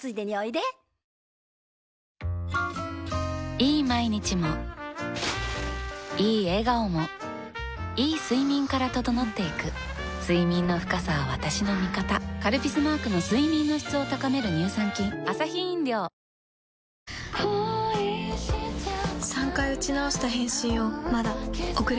いい毎日もいい笑顔もいい睡眠から整っていく睡眠の深さは私の味方「カルピス」マークの睡眠の質を高める乳酸菌お疲れさまですあれ？